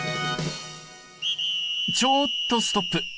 ちょっとストップ。